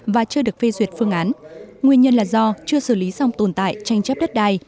và chưa được phê duyệt phương án nguyên nhân là do chưa xử lý xong tồn tại tranh chấp đất đai